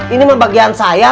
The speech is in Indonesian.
ini mah bagian saya